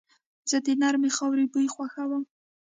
زه د نرمې خاورې بوی خوښوم.